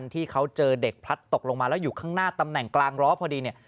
ที่เขาเจอเด็กพลัดตกลงมาแล้วอยู่ข้างหน้าตำแหน่งกลางร้อพอดีเนี่ย